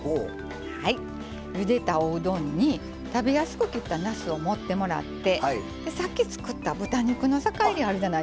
ゆでたおうどんに食べやすく切ったなすを盛ってもらってさっき作った豚肉の酒いりあるじゃないですか。